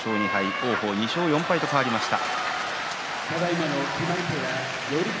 王鵬は２勝４敗となりました。